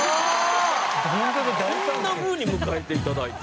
「こんなふうに迎えて頂いて」